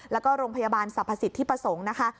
แล้วก็โรงพยาบาลสรรพสิทธิประสงค์นะคะ